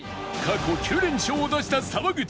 過去９連勝を出した沢口